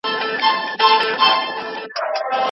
سعید په خپل مکتب کې د تاریخ په اړه یوه مقاله ولیکه.